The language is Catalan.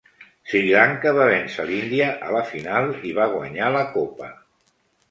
Sri Lanka va vèncer l'Índia a la final i va guanyar la copa.